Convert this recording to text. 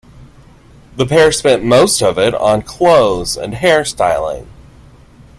The pair spent most of it on clothes and hairstyling.